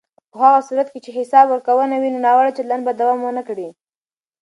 په هغه صورت کې چې حساب ورکونه وي، ناوړه چلند به دوام ونه کړي.